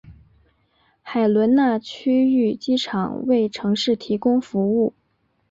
海伦娜区域机场为城市提供服务。